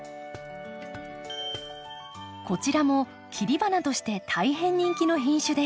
こちらも切り花として大変人気の品種です。